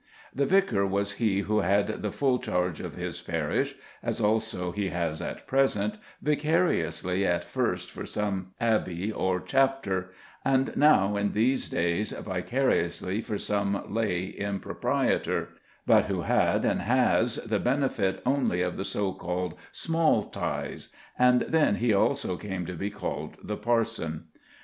The vicar was he who had the full charge of his parish, as also he has at present, vicariously at first for some abbey or chapter; and now, in these days, vicariously for some lay improprietor, but who had and has the benefit only of the so called small tithes; and then he also came to be called the parson.